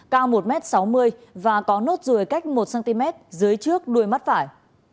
cao một m sáu mươi và có nốt ruồi cách một cm dưới trước đuôi mắt phải